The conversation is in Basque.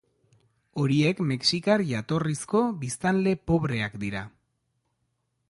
Horiek mexikar jatorrizko biztanle pobreak dira.